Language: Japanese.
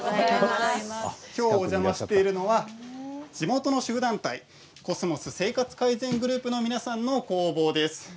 きょうお邪魔しているのは地元の主婦団体こすもす生活改善グループの皆さんの工房です。